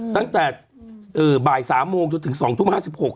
ตั้งแต่บ่าย๓โมงจนถึง๒ทุ่ม๕๖